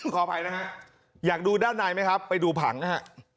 ขออภัยนะฮะอยากดูด้านในไหมครับไปดูผังนะฮะ